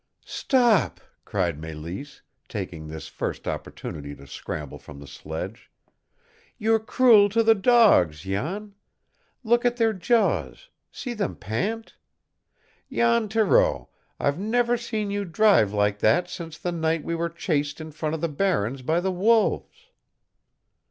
"Stop!" cried Mélisse, taking this first opportunity to scramble from the sledge. "You're cruel to the dogs, Jan! Look at their jaws see them pant! Jan Thoreau, I've never seen you drive like that since the night we were chased in from the barrens by the wolves!"